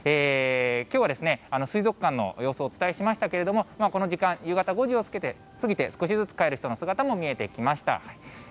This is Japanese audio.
きょうは、水族館の様子をお伝えしましたけれども、この時間、夕方５時を過ぎて、少しずつ帰る人の姿も見えてきました。